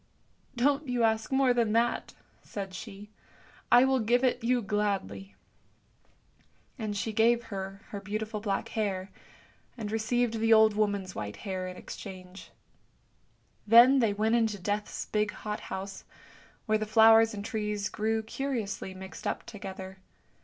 " Don't you ask more than that," said she; " I will give it THE STORY OF A MOTHER 273 you gladly," and she gave her her beautiful black hair, and received the old woman's white hair in exchange. Then they went into Death's big hot house, where the flowers and trees grew curiously mixed up together.